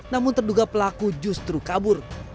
namun terduga pelaku justru kabur